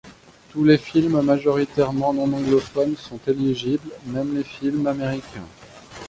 Tous les films majoritairement non anglophones sont éligibles, même les films américains.